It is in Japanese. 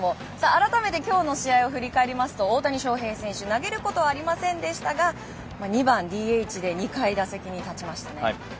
改めて今日の試合を振り返りますと大谷翔平選手投げることはありませんでしたが２番ＤＨで２回、打席に立ちましたね。